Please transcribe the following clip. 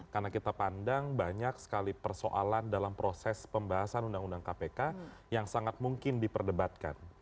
karena kita pandang banyak sekali persoalan dalam proses pembahasan undang undang kpk yang sangat mungkin diperdebatkan